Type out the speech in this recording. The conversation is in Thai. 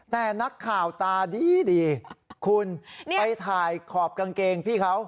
แต่นักข่าวตาดีคุณไปถ่ายขอบกางเกงพี่เขา